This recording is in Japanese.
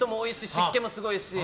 湿気もすごいし。